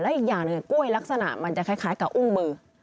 อีกอย่างหนึ่งกล้วยลักษณะมันจะคล้ายกับอุ้งมือ